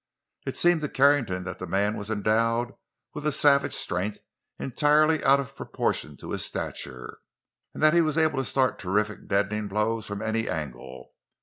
It seemed to Carrington that the man was endowed with a savage strength entirely out of proportion to his stature, and that he was able to start terrific, deadening blows from any angle.